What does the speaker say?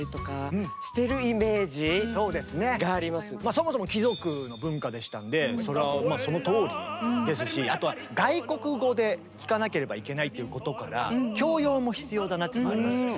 そもそも貴族の文化でしたんでそれはそのとおりですしあとは外国語で聴かなければいけないということから教養も必要だなというのもありますよね。